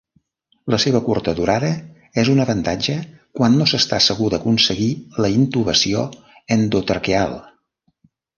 La seva curta durada és un avantatge quan no s'està segur d'aconseguir la intubació endotraqueal.